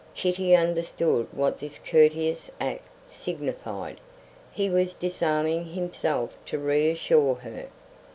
Kitty understood what this courteous act signified; he was disarming himself to reassure her.